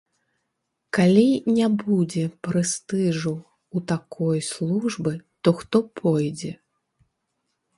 Калі не будзе прэстыжу ў такой службы, то хто пойдзе?